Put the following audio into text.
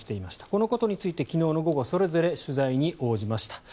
このことについて昨日の午後それぞれ取材に応じました。